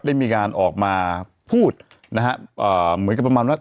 ได้มีการออกมาพูดนะฮะเหมือนกับประมาณว่า